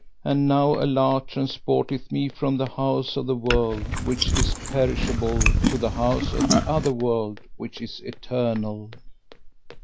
And now Allah transporteth me from the house of the world which is perishable to the house of the other world which is eternal.'